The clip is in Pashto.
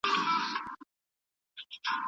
هلک د کوټې په منځ کې ولاړ و.